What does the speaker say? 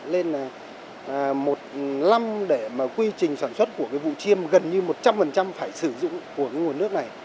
nên là một năm để quy trình sản xuất của vụ chiêm gần như một trăm linh phải sử dụng của nguồn nước này